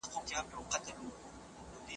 آیا پښتون د معاصرې نړۍ له علومو سره بلد دی؟